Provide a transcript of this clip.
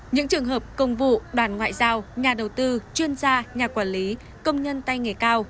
những trường hợp công vụ đoàn ngoại giao nhà đầu tư chuyên gia nhà quản lý công nhân tay nghề cao